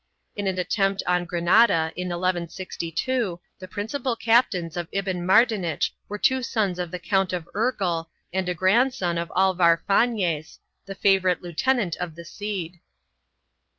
In an attempt on Granada, in 1162, the principal captains of Ibn Mardanich were two sons of the Count of Urgel and a grandson of Alvar Fanez, the favorite lieutenant of the Cid.